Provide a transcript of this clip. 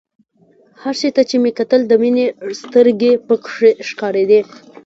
هر شي ته چې مې کتل د مينې سترګې پکښې ښکارېدې.